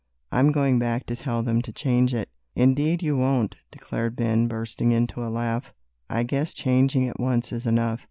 I'm going back to tell them to change it." "Indeed you won't," declared Ben, bursting into a laugh, "I guess changing it once is enough.